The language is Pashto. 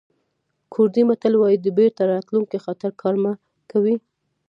کوردي متل وایي د بېرته راتلونکي خطر کار مه کوئ.